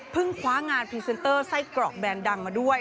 คว้างานพรีเซนเตอร์ไส้กรอกแบรนด์ดังมาด้วย